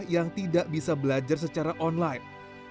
yang tidak bisa belajar secara online